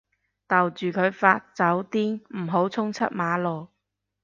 逗住佢發酒癲唔好衝出馬路